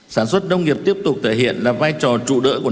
sản xuất đông nghiệp tiếp tục thể hiện là vai trò trụ đỡ của quốc gia